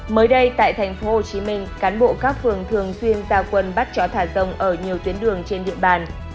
mới đây tại tp hcm cán bộ các phường thường xuyên ra quân bắt chó thả rông ở nhiều tuyến đường trên địa bàn